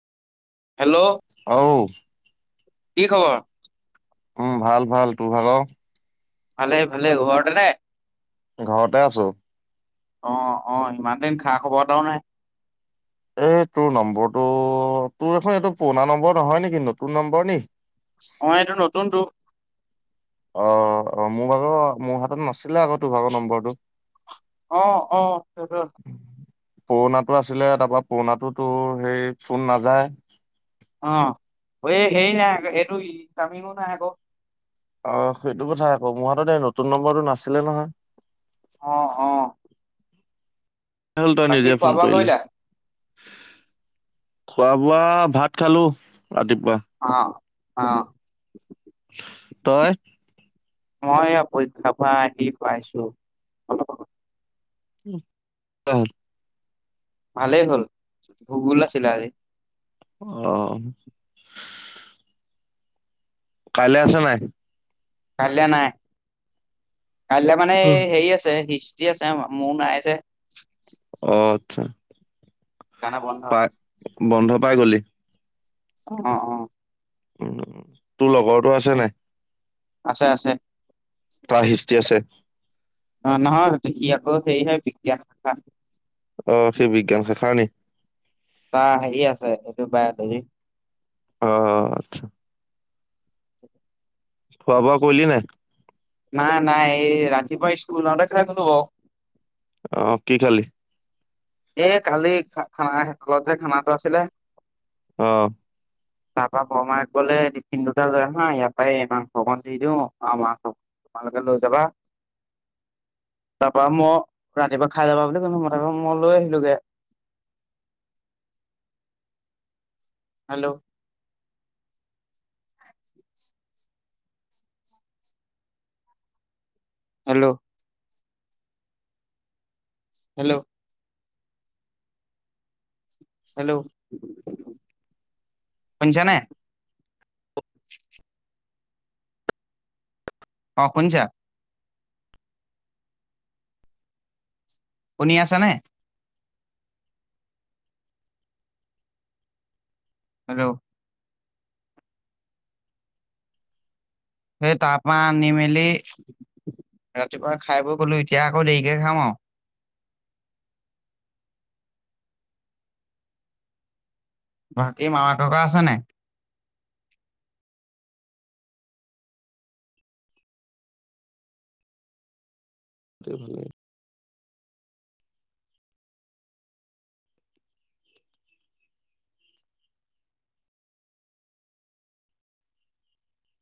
Hello অঔ। কি খবৰ? উম ভাল ভাল। তোৰ ভাগ? ভালেই ভালেই। ঘৰতেনে? ঘৰতে আছো। অ অ, ইমান দিন খা-খবৰ এটাও নাই। এ তোৰ নম্বৰটো, তোৰ দেখোন এইটো পুৰণা নম্বৰ নহয় নেকি নতুন নম্বৰ নি? অঁ এইটো নতুনটো। অ অ মোৰ ভাগৰ মোৰ হাতত নাছিলে আক তোৰ ভাগৰ নম্বৰটো। অ অ সেইটো। পুৰণাটো আছিলে, তাপা পুৰণাটো তোৰ সেই ফোন নাযায়। অঁ। এই হেই নাই আক সেইটো ইনকামিংও নাই আক। অ সেইটো কথা আক, মোৰ হাততে নতুন নম্বৰটো নাছিলে নহয়। অ অ। হ'ল ত‌ই বাকী নিজে খোৱা ফোন বোৱা কৰিলি। কৰিলা? খোৱা বোৱা ভাত খালো ৰাতিপুৱা। অঁ। তই? মই অপেক্ষাৰ পৰা আহি পাইছো অলপ আগত, [unintelligible] ভালেই হ'ল ভূগোল আছিলে আজি। আহ, কাইলে আছে নাই। কাইলৈ নাই কাইলৈ মানে হেৰি আছে তি আছে মো নাই যে। অ আচ্ছা, কাইলে বন্ধ। পাই বন্ধ পাই গ'লি। অ অ, উ তোৰ লগৰতো আছে নাই। আছে আছে। ক হিষ্টি আছে। অ নহয় ই আকৌ সেইহে বিকিয়া আহ সেই বিজ্ঞান শাখাৰ নি, তা হেৰি আছে এইটো বায় হেৰি। অ আচ্ছা। খোৱা বোৱা কৰিলি নাই। নাই নাই এই ৰাতিপুৱা স্কুল ওলাওঁতে খাই গলো বাও, অ কি খালি। এ কালি খা খানা তলত যে খানাটো আছিলে। অহ, তাৰপা বৰমাই কলে তিফিন দুটা লৈ আহা ইয়তেই মাংসক দি দিও মাক, পান কাৰ্ড লৈ যাবা। তাৰ পৰা মই ৰাতিপুৱা খাই যাবা বুলি কলোঁ মই তাক মই লৈ আহিলোগে হেল্ল' হেল্ল' হেল্ল' হেল্ল' শুনিছানে নাই? অ' শুনিছা। শুনি আছানে? হেল্ল' সেই তাৰপাৰ আনিমেলি ৰাতিপুৱাই খাই বৈ গলোঁ। এতিয়া আকৌ দেৰিকে খাম আৰু বাকী মামা ককা আছে নে? কিয় সুধিলি?